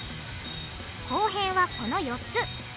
後編はこの４つ。